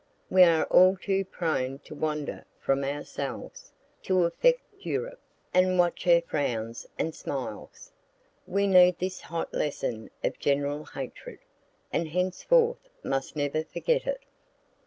We are all too prone to wander from ourselves, to affect Europe, and watch her frowns and smiles. We need this hot lesson of general hatred, and henceforth must never forget it.